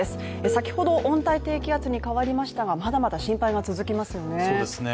先ほど温帯低気圧に変わりましたがまだまだ心配が続きますよね。